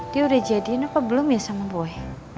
dia udah jadiin apa belum ya sama boeing